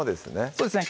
そうですね